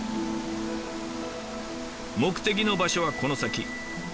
目的の場所はこの先。